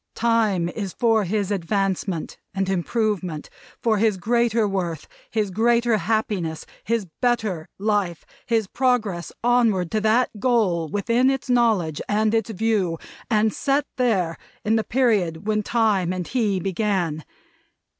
Time is for his advancement and improvement; for his greater worth, his greater happiness, his better life; his progress onward to that goal within its knowledge and its view, and set there, in the period when Time and he began.